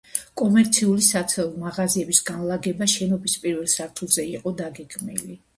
კომერციული საცალო მაღაზიები განლაგდება შენობის პირველ სართულებზე იყო დაგეგმილი.